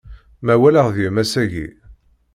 Ma walaɣ deg-m ass-agi.